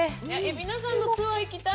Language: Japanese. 蝦名さんのツアー、行きたい！